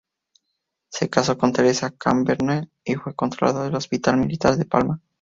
Se casó con Teresa Carbonell y fue contralor del Hospital Militar de Palma.